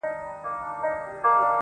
چي بې گدره گډېږي، خود بې سين وړي.